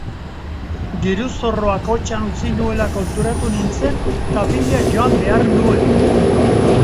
Diru-zorroa kotxean utzi nuela konturatu nintzen eta bila joan behar nuen.